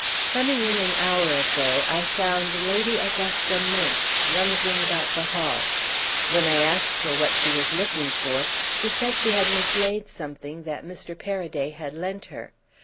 Coming in an hour ago I found Lady Augusta Minch rummaging about the hall. When I asked her what she was looking for she said she had mislaid something that Mr. Paraday had lent her.